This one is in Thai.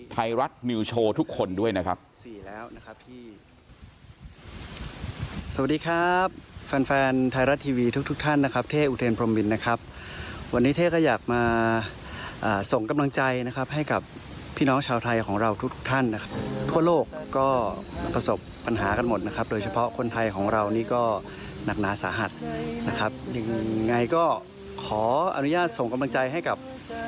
ไทยรัฐนิวโชว์ทุกคนด้วยนะครับ